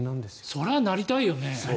それはなりたいよね。